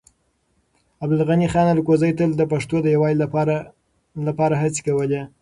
عبدالغني خان الکوزی تل د پښتنو د يووالي لپاره هڅې کولې.